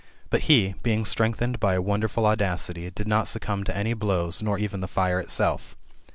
But he, beiqg strengthened by a wonderful audacity, did not succumb to any blows, nor even to fire itself.